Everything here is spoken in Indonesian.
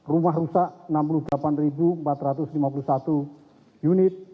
rumah rusak enam puluh delapan empat ratus lima puluh satu unit